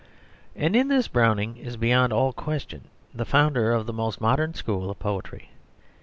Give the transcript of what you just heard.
And in this Browning is beyond all question the founder of the most modern school of poetry.